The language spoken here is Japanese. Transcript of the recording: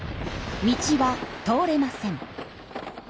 道は通れません。